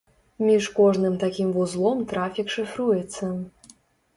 Між кожным такім вузлом трафік шыфруецца.